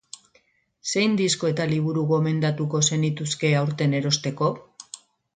Zein disko eta liburu gomendatuko zenituzke aurten erosteko?